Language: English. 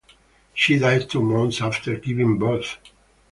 She died two months after giving birth.